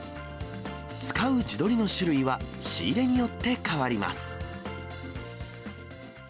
使う地鶏の種類は仕入れによって変わります。